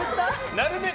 なるべく